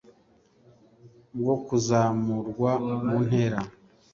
bwo kuzamurwa mu ntera